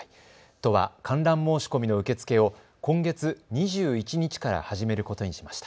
都は観覧申し込みの受け付けを今月２１日から始めることにしました。